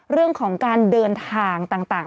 เรื่องของการเดินทางต่าง